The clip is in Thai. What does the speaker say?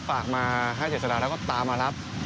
ฝากมาให้จิ้มต่อเขาก็ตามมารับ